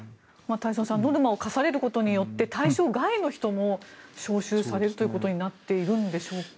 太蔵さんノルマを課されることによって対象外の人も招集されるということになっているんでしょうか。